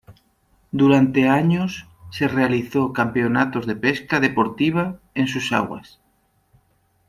Durante años se realizó campeonatos de pesca deportiva en sus aguas.